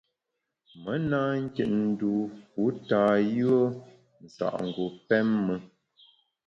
Me na nkit dû fu tâ yùe nsa’ngu pém me.